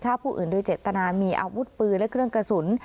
ฆ่าผู้อื่นโดยเจตนามีอาวุธปืนและเครื่องกระสุน